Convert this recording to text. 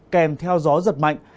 kèm theo gió giật mạnh